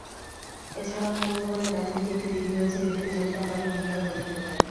এছাড়াও মূল ভবনের ডান দিকে একটি দিঘী রয়েছে, যেটিতে জমিদার বাড়ির মহিলারা গোসল করতেন।